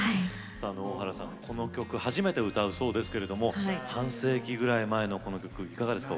大原さん、この曲初めて歌うそうですけど半世紀ぐらい前の、この曲いかがですか？